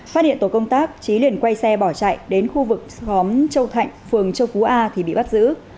phát hiện tổ công tác trí liền quay xe bỏ chạy đến khu vực khóm châu thạnh phường châu phú a thì bị bắt giữ